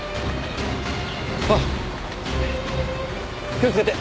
気をつけて！